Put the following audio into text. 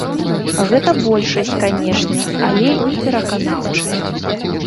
Гэта большасць, канешне, але непераканаўчая.